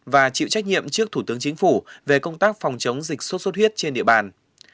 và chịu trách nhiệm trước thủ tướng chính phủ về công tác phòng chống dịch sốt xuất huyết trên địa bàn